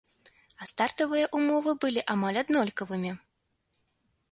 А стартавыя ўмовы былі амаль аднолькавымі.